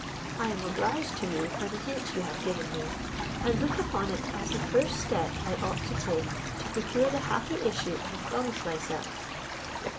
I am obliged to you for the hint you have given me, and look upon it as the first step I ought to take to procure the happy issue I promise myself.